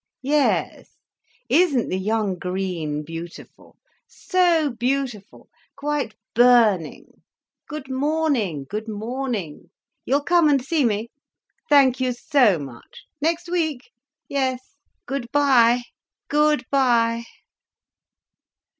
Yes. Isn't the young green beautiful? So beautiful—quite burning. Good morning—good morning—you'll come and see me?—thank you so much—next week—yes—good bye, g o o d b y e."